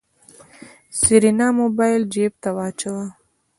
سېرېنا موبايل جېب ته واچوه.